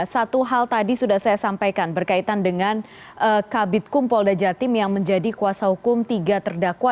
satu hal tadi sudah saya sampaikan berkaitan dengan kabit kum polda jatim yang menjadi kuasa hukum tiga terdakwa